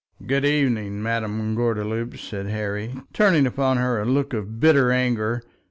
"Good evening, Madame Gordeloup," said Harry, turning upon her a look of bitter anger.